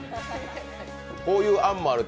こういう案もあると。